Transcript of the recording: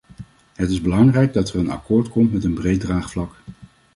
Het is belangrijk dat er een akkoord komt met een breed draagvlak.